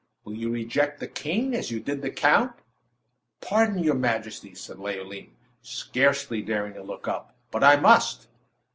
Will you reject the king as you did the count?" "Pardon, your majesty!", said Leoline, scarcely daring to look up; "but I must!"